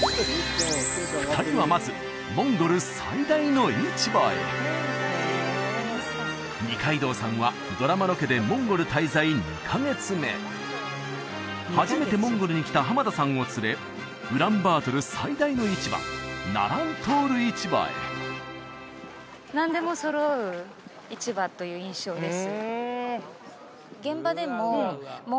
２人はまずモンゴル最大の市場へ二階堂さんはドラマロケでモンゴル滞在２カ月目初めてモンゴルに来た濱田さんを連れウランバートル最大の市場じゃあホントにだと思います